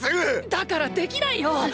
だからできないよ！